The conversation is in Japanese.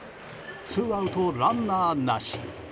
ツーアウトランナーなし。